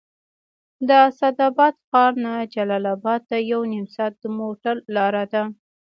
د اسداباد ښار نه جلال اباد ته یو نیم ساعت د موټر لاره ده